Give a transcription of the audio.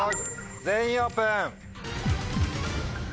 全員オープン。